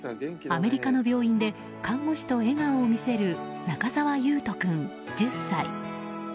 アメリカの病院で看護師と笑顔を見せる中沢雄斗君、１０歳。